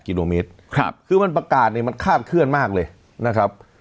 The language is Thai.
กิโลเมตรครับคือมันประกาศเนี่ยมันคาดเคลื่อนมากเลยนะครับ